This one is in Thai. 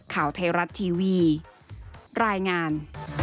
ข่าวไทยรัฐทีวีรายงาน